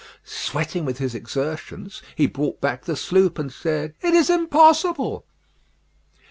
Sweating with his exertions, he brought back the sloop, and said, "It is impossible."